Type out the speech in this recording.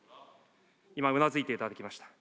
今、うなずいていただきました。